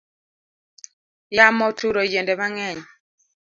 Yamo oturo yiende mangeny